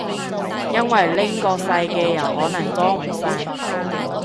因為拎個細嘅又可能裝唔晒